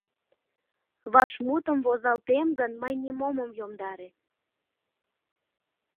Вашмутым возалтем гын, мый нимом ом йомдаре.